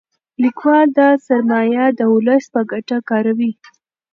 لیکوال دا سرمایه د ولس په ګټه کاروي.